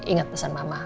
ingat pesan mama